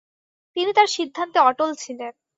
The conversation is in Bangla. তিনি তাঁর সিদ্ধান্তে অটল ছিলেন।